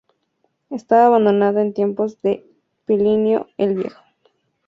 Estaba abandonada en tiempos de Plinio el Viejo.